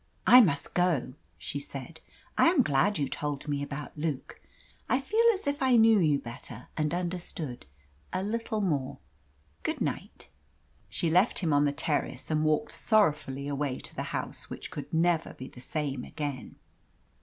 "I must go," she said. "I am glad you told me about Luke. I feel as if I knew you better and understood a little more. Good night." She left him on the terrace, and walked sorrowfully away to the house which could never be the same again.